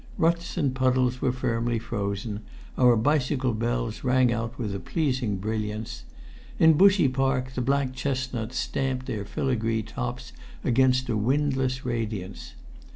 Ruts and puddles were firmly frozen; our bicycle bells rang out with a pleasing brilliance. In Bushey Park the black chestnuts stamped their filigree tops against a windless radiance.